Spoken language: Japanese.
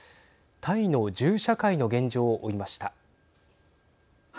タイの銃社会の現状を追いました。